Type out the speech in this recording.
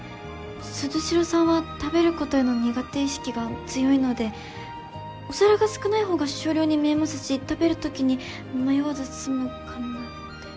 鈴代さんは食べることへの苦手意識が強いのでお皿が少ない方が少量に見えますし食べるときに迷わず済むかなって。